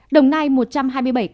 đồng nai một trăm hai mươi bảy ca